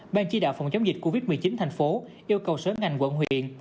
ban chỉ đạo phòng chống dịch covid một mươi chín thành phố yêu cầu sở ngành quận huyện